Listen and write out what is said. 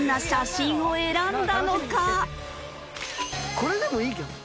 これでもいいけどね。